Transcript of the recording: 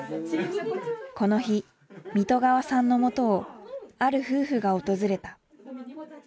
この日水戸川さんのもとをある夫婦が訪れた。